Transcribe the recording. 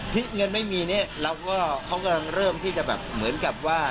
เงินไม่มีเนี่ยเราก็เขากำลังเริ่มที่จะแบบเหมือนกับว่า